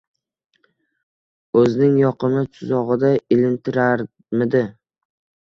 O‘zining yoqimli tuzog‘ida ilintirarmidi?